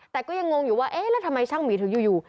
แต่ก็ยังงงอยู่ว่าเอ๊ะแล้วทำไมช่างหมีถึงอยู่